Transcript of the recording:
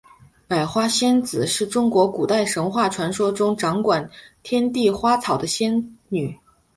百花仙子是中国古代神话传说中掌管天地花草的仙女。